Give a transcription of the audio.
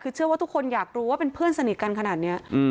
คือเชื่อว่าทุกคนอยากรู้ว่าเป็นเพื่อนสนิทกันขนาดนี้